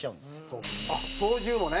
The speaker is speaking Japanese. あっ操縦もね。